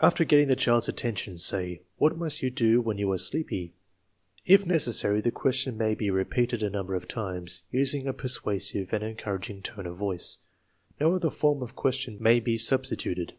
After getting the child's attention, say: " What must you do when you are sleepy?" If necessary the question may be repeated a number of times, using a per suasive and encouraging tone of voice. No other form of question may be substituted.